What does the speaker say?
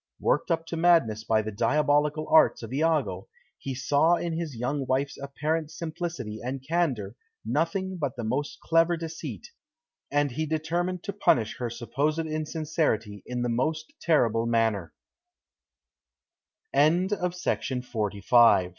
Worked up to madness by the diabolical arts of Iago, he saw in his young wife's apparent simplicity and candour nothing but the most clever deceit, and he determined to punish her supposed insincerity in the most t